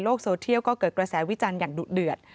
โซเทียลก็เกิดกระแสวิจารณ์อย่างดุเดือด